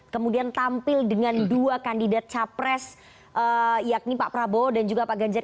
kemudian tampil dengan dua kandidat capres yakni pak prabowo dan juga pak ganjar